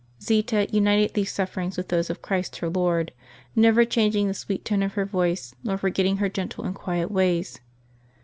Zita united these sufferings with those of Christ her Lord, never changing the sweet tone of her voice, nor forgetting her gentle and quiet ways.